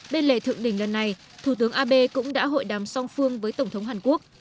bên lề thượng đỉnh lần này thủ tướng abe cũng đã hội đàm song phương với tổng thống hàn quốc